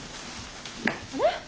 あれ？